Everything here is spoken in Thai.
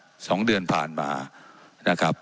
ว่าการกระทรวงบาทไทยนะครับ